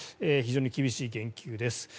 非常に厳しい言及です。